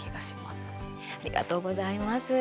ありがとうございます。